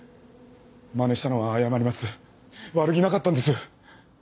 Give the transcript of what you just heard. マネしたのは謝ります悪気なかったんです。